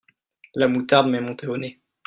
La moutarde m’est montée au nez.